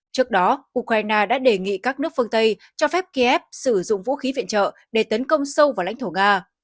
trước đó ukraine đã đề nghị các nước phương tây cho phép kiev sử dụng vũ khí viện trợ để tấn công sâu vào lãnh thổ nga